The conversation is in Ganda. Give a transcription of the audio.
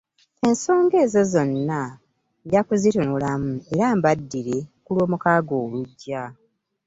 Ensonga ezo zonna nja kuzitunulamu era mbaddire ku Lwomukaaga olujja.